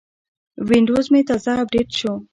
وینډوز مې تازه اپډیټ شو.